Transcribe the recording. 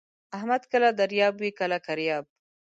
احمد کله دریاب وي کله کریاب.